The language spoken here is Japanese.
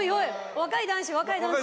若い男子若い男子。